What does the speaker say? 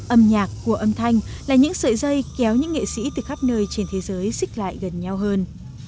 âm nhạc của âm thanh là những sợi dây kéo những nghệ sĩ từ khắp nơi trên thế giới xích lại gần nhau hơn